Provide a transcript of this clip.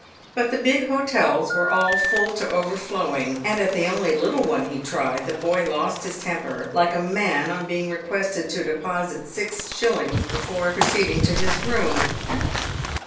But the big hotels were all full to overflowing; and at the only little one he tried the boy lost his temper like a man on being requested to deposit six shillings before proceeding to his room.